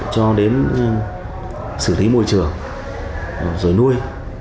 cho đến xử lý môi trường rồi nuôi